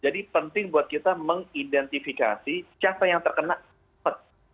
jadi penting buat kita mengidentifikasi siapa yang terkena cepat